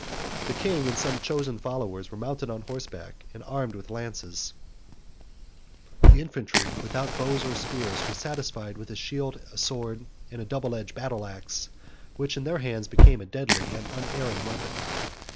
101 The king, and some chosen followers, were mounted on horseback, and armed with lances; the infantry, without bows or spears, were satisfied with a shield, a sword, and a double edged battle axe, which, in their hands, became a deadly and unerring weapon.